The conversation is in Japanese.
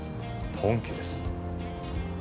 本気です